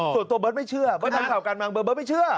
ส่วนตัวเบิร์ดไม่เชื่อเบิร์ดทางสนับสนุนมันไม่เชื่อ